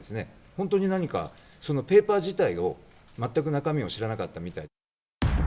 本当に何かそのペーパー自体を、全く中身を知らなかったみたい。